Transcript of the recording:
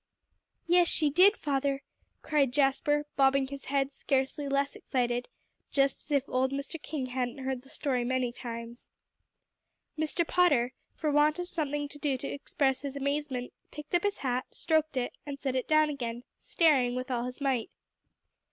"Yes, she did, father," cried Jasper, bobbing his head scarcely less excited, just as if old Mr. King hadn't heard the story many times. Mr. Potter, for want of something to do to express his amazement, picked up his hat, stroked it, and set it down again, staring with all his might.